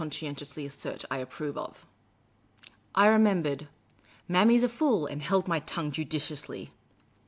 scientiously assert I approve of." I remembered " Marmy 's a fool," and held my tongue judiciously.